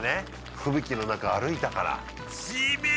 吹雪の中歩いたからしみる！